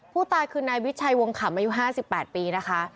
ผู้ตายคือนายวิชัยวงขำอายุ๕๘ปีนะคะ